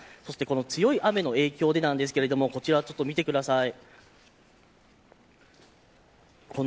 強い雨の影響でなんですがこちらを見てください。